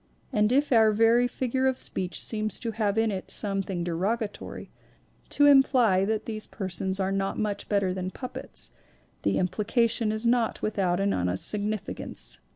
And if our very figure of speech seems to have in it some thing derogatory, to imply that these persons are not much better than puppets, the implication is not with out an honest significance.